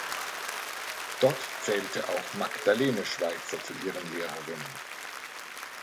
Dort zählte auch Magdalene Schweizer zu ihren Lehrerinnen.